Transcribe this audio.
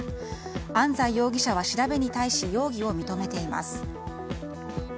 安斎容疑者は調べに対し容疑を認めています。